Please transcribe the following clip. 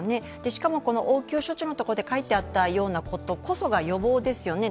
しかも、応急処置のところで書いてあったようなことこそが予防ですよね。